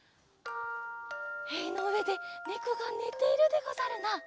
へいのうえでねこがねているでござるな。